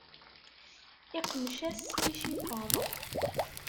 Iqmec-as icifaḍ.